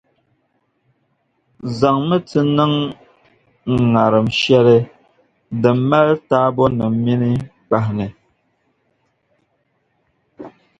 zaŋmi tiniŋŋarim shεli din mali taabonim’ mini kpahi ni.